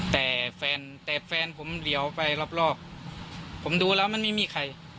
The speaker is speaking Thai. แต่แฟนแต่แฟนผมเหลียวไปรอบรอบผมดูแล้วมันไม่มีใคร